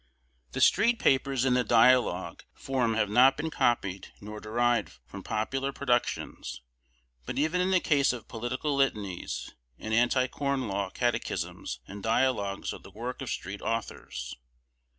The street papers in the dialogue form have not been copied nor derived from popular productions but even in the case of Political Litanies and Anti Corn law Catechisms and Dialogues are the work of street authors.